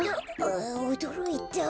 おどろいた。